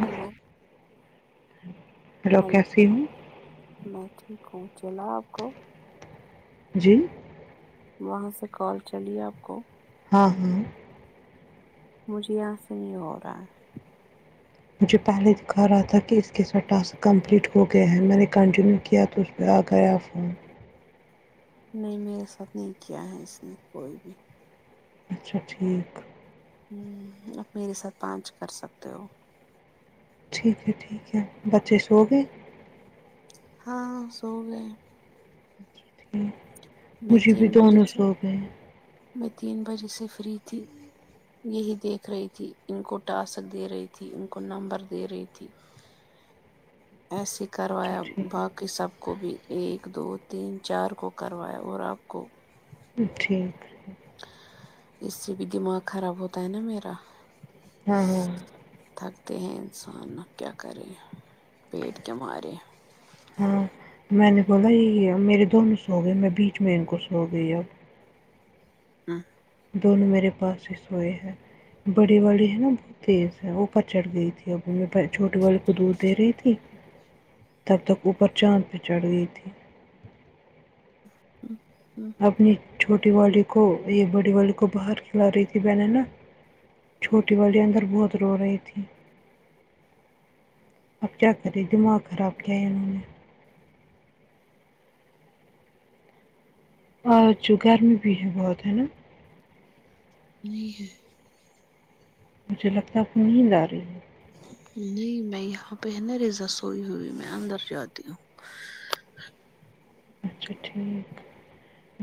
hello hello کیسی ہوں میں ٹھیک ہوں چلا آپ کو جی وہاں سے کال چلیے آپ کو ہاں ہاں مجھے یہا سے نہیں ہورا مجھے پہلے دکھا رہا تھا کہ اس کے ساتھ ٹاسک کمپلیٹ ہو گیا ہے میں نے کنٹینیو کیا تو بیا کریا فون [unintelligible] نہیں میرے ساتھ نہیں کیا ہے اس نے کوئی بھی اچھا ٹھیک ہ آپ میرے ساتھ پانچ کر سکتے ہو ٹھیک ہے ٹھیک ہے بچے سو گئے ہاں سو گۓ اچھا میں مجھے بھی تین بجے دونوں سے سوگے ہے میں تین بجے سے فری تھی یہی دیکھ رہی تھی ان کو ٹاسک دے رہی تھی ان کو نمبر دے رہی تھی آس [unintelligible] اچھا کروایا ٹھیک باقی سب کو بھی ایک دو تین چار کو کروایا اور آپ کو ٹھیک اس سے بھی دماغ خراب ہوتا ہے ناں میرا ہاں ہاں تھک گئے ہیں انسان اب کیا کرے پیٹ کے مارے ہاں میں نے بولا یہ ہی ہے میرے دونوں سوگئے میں بیچ میں ان کو سو گئی ہوں ہوں دونوں میرے پاس ہی سوئے ہیں بڑی والی ہے نا بہت تیز ہے وہ اوپر چڑھ گئی تھی اب چھوٹی والی کو دودھ دے رہی تھی تب تک اوپر چاند پہ چڑھ گئی تھی ہوں اپنی چھوٹی والی کو یا بڑی والی کو باہر کھلا رہی تھی بہن نا چھوٹی والی اندر بہت رو رہی تھی اب کیا کرے دماغ خراب کیا ہے انہوں نے آج گرمی بھی ہے بہت ہے ناں نہیں ہے مجھے لگتا ہے آپ کو نیند آ رہی ہے نہیں میں یہاں پہن ریزا سوئی ہوئی میں اندر جاتی ہوں اچھا ٹھیک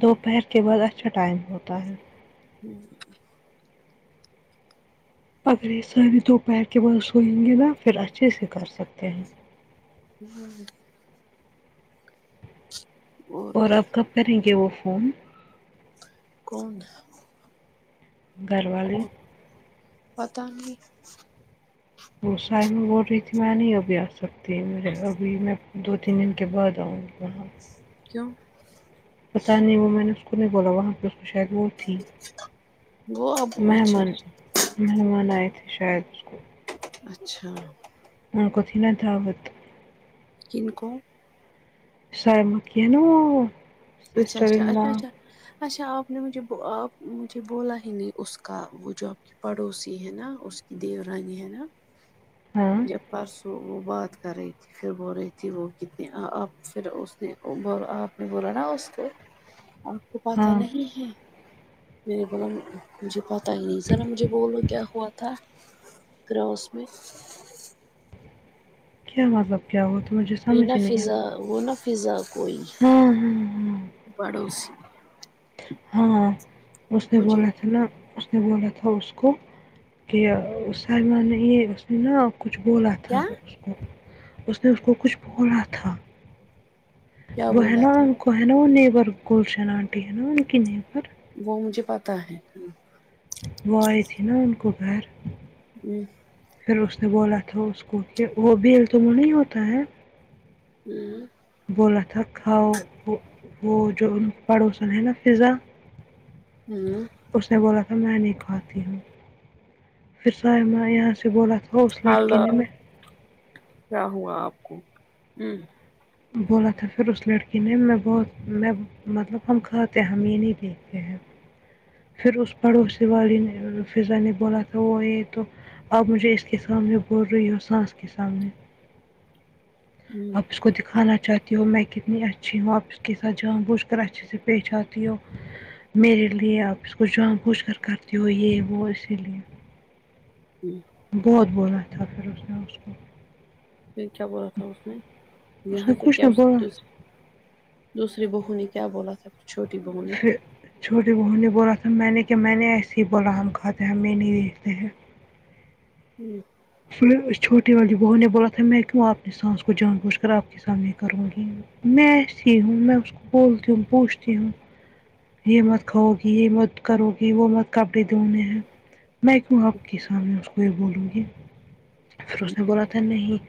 دوپہر کے بعد اچھا ٹائم ہوتا ہے ہوں اگر یہ سارے دوپہر کے بعد سوئیں گے نا پھر اچھے سے کر سکتے ہیں ہوں اور آپ کب کریں گے وہ فون کون گھر والی کون پتہ نہیں وہ ساحل میں بول رہی تھی میں نہیں ابھی آ سکتی میرے ابھی میں دو تین دن کے بعد آؤں گی وہاں کیوں پتا نہیں وہ میں نے اس کو نہیں بولا وہاں پہ شاید وہ تھی وہ اب اچھا مہمان اچھا مہمان آئے تھے شاید اس کو اچھا ان کو تھی ناں دعوت کن کو سائمہ کی ہے ناں وہ اچھا سسٹر اچھا ان لا اچھا اچھا اچھا آپ نے مجھے آپ مجھے بولا ہی نہیں اس کا وہ جو پڑوسی ہے نا اس کی دیورانی ہے ناں ہاں جب پرسوں وہ بات کر رہی تھی پھر بول رہی تھی وہ کتنی آپ پھر اس نے آپ نے بولا ناں آپ کو پتہ ہاں نہیں ہے میں نے بولا مجھے پت پتہ ہی نہیں زرا مجھے بولو کیا ہوا تھا کروس میں کیا مطلب کیا ہوا تھا مجھے اب سمجھ ہی ناں نہیں فضا آیا وہ ناں فضا کوئی ہاں ہاں ہ پڑوسی ہاں اس نے مجھے بولا تھا ناں نے بولا تھا اس کو کہ سلمان نے یہ اس نے نا کچھ بولا کیا تھا تھا اس کو اس نے اس کو کچھ بولا تھا کیا وہ ہے بولا ناں تھا ان کو ہے ناں وہ نیبر گشن آنٹی ہے ناں ان کی نیبر وہ مجھے پتاہ ہے وہ آئے تھی نا ان کو گھر اہمم پھر اس نے بولا تھا اس کو کہ وہ بھی التم نہیں ہوتا ہے ھممم بولا تھا کھاؤ وہ وہ جو ان پڑوسن ہے نا فضا ہمممم اس نے بولا تھا میں نہیں کھاتی ہوں پھر یہاں سے بولا تھا اس لڑکی خلا نے میں کیا ہوا آپ کو ہمم بولا تھا پھر اس لڑکی نے میں بہت میں مطلب ہم کھاتے ہم یہ نہیں دیکھتے ہیں پھر اس پڑوسی والے نے فضا نے بولا تھا وہ یہ تو آپ مجھے اس کے سامنے بول رہی ہو ساس کے سامنے ہمم آپ اس کو دکھانا چاہتی ہوں میں کتنی اچھی ہوں آپ اس کے ساتھ جان بوجھ کر اچھے سے پیش آتی ہوں میرے لیے آپ اس کو جان پوچھ کر کرتے ہو یہ وہ اسی لیے ہم بہت بولنا تھا پھر اس نے اس کو پھر کیا بولا تھا اس نے اس یہاں نے سے کچھ کیا نہیں بولا دوسری بہو نے کیا بولا تب پھر چھوٹے بہوں نے بولا تھا میں نے کیا میں نے ایسے ہی بولا ہم کھاتے ہیں ہم یہ نہیں دیکھتے ہیں ہمم پھر اس چھوٹی والی بہو نے بولا تھا میں کیوں اپنی ساس کو جان بوچھ کر آپ کے سامنے کروں گی میں اچھی ہوں میں اس کو بولتی ہوں پوچھتی ہوں یہ مت کھاؤ گی یہ مت کرو گی وہ مت کپڑے دھونے ہیں میں کیو آپ کے سامنے اس کو یہ بولوں گی پھر اس نے بولا تھا نہیں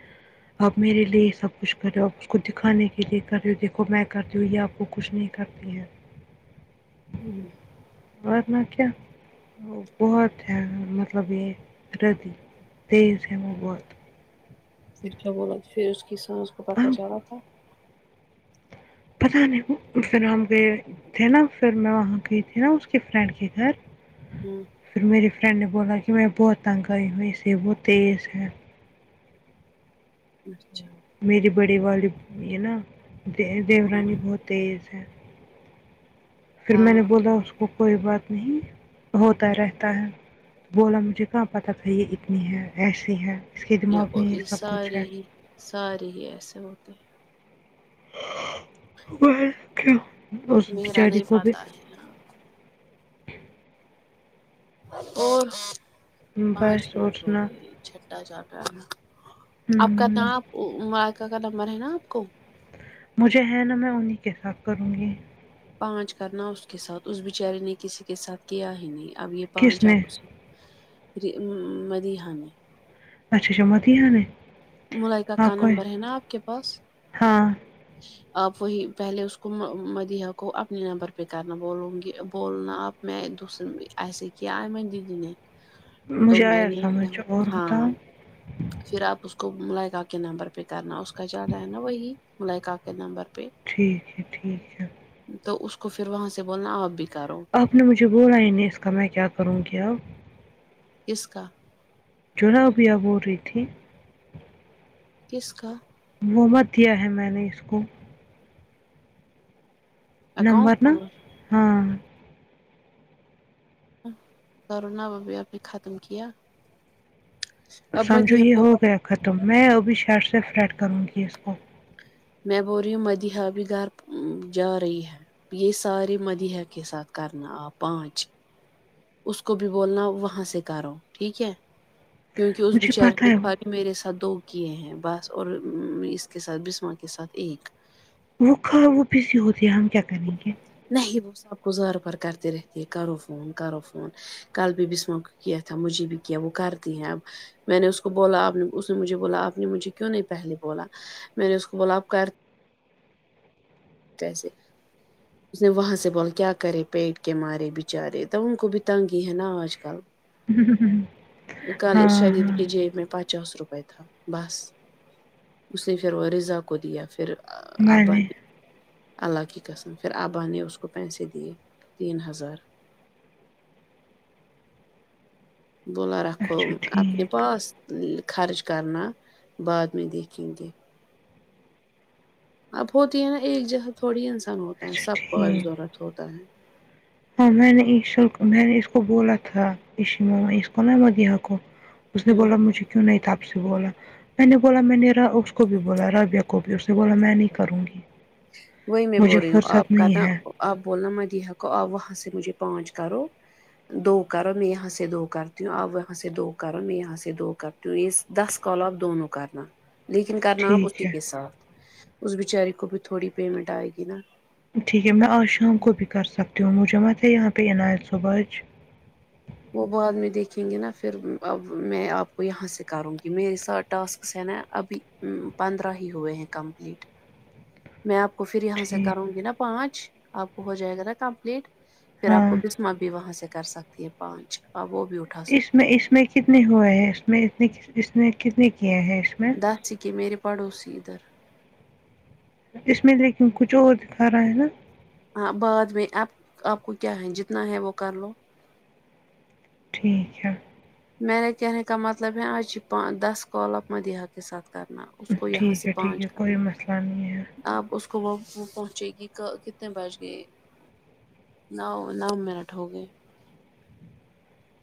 آپ میرے لیے سب کچھ کر رہے ہو آپ اس کو دکھانے کے لیے کر رہے ہو دیکھو میں کرتی ہوں یا آپ کو کچھ نہیں کرتی ہے ہم ورنہ کیا وہ بہت ہے مطلبی بےدردی تیز ہے وہ بہت پھر کیا بولا پھر اس کی ساس کو پتہ ہم چلا تھا پتاہ نہیں وہ پھر ہم گی تھے نا پھر میں وہاں گئی تھی نا اس کے فرینڈ کے گھر ہم پھر میری فرینڈ نے بولا کہ میں بہت تنگ آئی ہوں اسے بہت تیز ہے اچھا میری بڑے والد ہیں نا دیورانی بہت تیز ہے پھر میں نے ہاں بولا اس کو کوئی بات نہیں ہوتا رہتا ہے بولا مجھے کہاں پتا تھا یہ اتنی ہے ایسی ہے اس کے دماغ میں یہ سب کچھ ہے سارے ہی ایسے ہوتے ہیں وہ کہ اس بچاری کو بھی ہاں اور پانچ بس اور منٹ ہو سنا گئے ہوں [unintelligible] مجھے ہیں نا میں انہیں کے ساتھ کروں گی پانچ کرنا اس کے ساتھ اس بچارے نے کسی کے ساتھ کیا ہی نہیں اب یہ کس پانچ نے آپ جی مدیہا اچہا اچہب مدیہا نی ملکہ کا نمبر ہے نا آپ کے پاس ہاں آپ وہی پہلے اس کو مدیہہ کو اپنے نمبر پہ کرنا بولوں گی بولنا آپ میں دوسرے ایسے کیا ہے میری دیدی نے تو مجھے میں آیا یہ سمجھ اور بتاؤ ہاں پھر آپ اس کو ملائکہ کے نمبر پہ کرنا اس کا چل رہا ہے نا وہی ملکہ کے نمبر پہ ٹھیک ہے ٹھیک ہے تو اس کو پھر وہاں سے بولنا آپ بھیکارو آپ نے مجھے بولا ان نے اس کا میں کیا کروں گی اس کا جونا ابھیا بول رہی تھی کس کا وہ مت دیا ہے میں نے اس کو نمبر نا ہاں کرونا ابھی اب نے ختم کیا اب سمجھو مدیحہ یہ کو ہو گیاکھا تم میں ابھی شرٹ سے فریڈ کروں گی اس کو می بولریو مدیحہ بھی گھر جا رہی ہے یہ سارے مدیحہ کے ساتھ کرنا آپ پانچ اس کو بھی بولنا وہاں سے کرو ٹھیک ہے کیونکہ اس مجھے بچارے پتا ہے وہ نے میرے ساتھ دو کیے ہیں بس اور اس کے ساتھ بسما کے ساتھ ایک وہ کھا وہ سی ہوتی ہے ہم کیا کریں گے نہیں وہ سب کوزار بھر کرتے رہتے کرو فون کرو فون کل بھی بسما کیا تھا مجھے بھی کیا وہ کرتی ہیں اب میں نے اس کو بولا آپ نے اس نے مجھے بولا آپ نے مجھے کیوں نہیں پہلے بولا میں نے اس کو بولا آپ کر کییسے اس نے وہاں سے بول کیا کرے پیٹ کے مارے بچارے تو ان کو بھی تنگی ہے نا آج کل کالے ہاں ہاں [unintelligible] جیب میں پچاس روپئے تھا بس اس نے پھر وہ رضا کو دیا پھر میں نے اللہ کی قسم پھر آبا نے اس کو پیسے دیے تین ہزار بولا رکھو اچھا اپنے ٹھیک پاس خرچ کرنا بعد میں دیکھیں تھے اب ہوتی ہے نا ایک جگہ تھوڑی انسان ہوتا ہے اچھا سب کو آئ ٹھیک ضرورت ہوتا ہے ہاں میں نے شی میں نے اس کو بولا تھا اشمو اس کو نا مدیہہ کو اس نے ہ بولا مجھے کیوں نہیں تب سے بولا میں نے بولا میں نے ر اس کو بھی بولا رابعہ کو بھی اس نے بولا میں نہیں کروں گی وہی میں بول مجھے رہی ہوں فرصت آپ کا نہیں تا ہے آپ بولنا مدیہ کوو آپ وہاں سے مجھے پانچ کرو دو کرو میں یہاں سے دو کرتی ہوں اب یہاں سے دو کرو میں یہاں سے دو کر ہوں ٹو یہز دس کلہ دونوں کرنا لیکن کرنا آپ ٹھیک اسٹی ہے کے ساتھ اس بچاری کو بھی تھوڑی پیمنٹ آئے گی نا ٹھیک ہے میں آج شام کو بھی کر سکتی ہوں مجھے متے یہاں پہ عنایت صبح اج وہ بعد میں دیکھیں گے نا پھر اب میں آپ کو یہاں سے کروں گی میرے سات ٹاسکس ہیں نا ابھی ہمم پندرہ ہی ہوئے ہیں کمپلیٹ میں آپ کو پھر یہاں سے کروں ٹھیک گی نا پانچ آپ کو ہو جائے گا نا کمپلیٹ پھر آپ ہاں کو بس ما بھی وہاں سے کر سکتی ہیں پانچ اب وہ بھی اٹھ اس میں اس میں کتنے ہوئے ہیں اس میں اتنے اس نے کتنے کیے ہیں اس میں اچھا کےمیرے پڑوسی ادھر اس میں لیکن کچھ اور دکھا رہا ہے نا ہاں بعد میں آپ آپ کو کیا ہے جتنا ہے وہ کر لو ٹھیک ہے میرے کہنے کا مطلب ہے آج پا دس کال آپ مدیحہ کے ساتھ کرنا اس کو یہاں ٹھیک سے ہے ٹھیک پانچ ہے کوئی مسئلہ نہیں ہے کرنا آپ اس کو وہ پہنچے گی کا کتنے بج گئے نو نو منٹ ہو گئے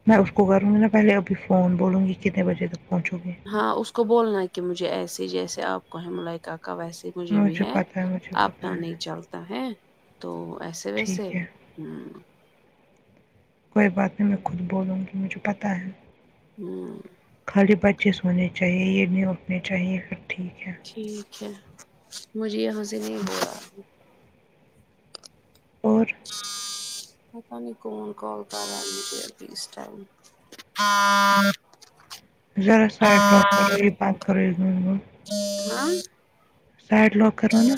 میں اس کو کروں گی نہ پہلے ابھی فون بولوں گی کتنے بجے تک پہنچو گے ہاں اس کو بولنا ہے کہ مجھے ایسے ہی جیسے آپ کو ہیں ملیکا کا ویسے مجھے بھی ہے پتہ مجھے پتہ آنا ہے نہیں چلتا ہے تو ایسے ویسے ٹھیک ہے ہں کوئی بات نہیں میں خود بولوں گی مجھے پتہ ہے ہوں خالی بچے سونے چاہیے یہ نہیں اٹنی چاہیے سب ٹھیک ہے ٹھیک ہے مجھے یہاں سے نہیں ہو رہا اور پتہ نہیں کون کال کر رہا ہے مجھے اس ٹائم پے ذرا سائڈ لو کرو یہ بات کرو یہ ہ سائیڈ لوک کرونا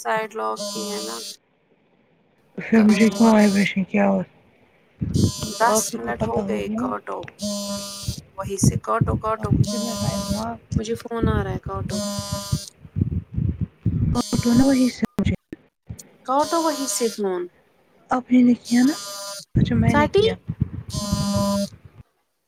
سائڈ لگ نہیں ہے نا پھر مجھے کیوں ہوا وائبریشن کی آواز دس منٹ ہو گئے کاٹو وہی سے کاٹو آپ کاٹو کو کتنا ٹائم ہوا مجھے فون آ رہا ہے کاٹو اٹ کوس کاٹو وہی سےفون ابھی نے کیا نا جو میں نے ساٹھی کیا